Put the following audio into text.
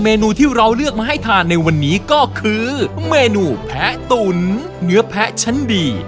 เนื้อที่เราเลือกมาให้ทานในวันนี้ก็คือเมนูแพะตุ๋นเนื้อแพะชั้นดี